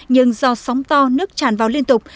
nhưng do sóng to nước tràn vào liên tục